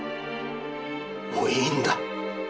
もういいんだ